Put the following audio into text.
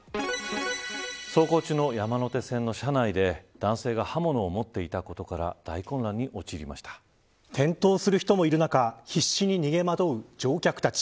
走行中の山手線の車内で男性が刃物を持っていたことから転倒する人もいる中必死に逃げ惑う乗客たち。